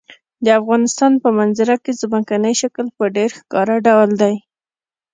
د افغانستان په منظره کې ځمکنی شکل په ډېر ښکاره ډول دی.